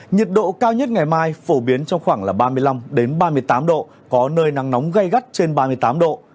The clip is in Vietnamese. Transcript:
nhiệt độ cao nhất ngày mai phổ biến trong khoảng ba mươi năm ba mươi tám độ có nơi nắng nóng gây gắt trên ba mươi tám độ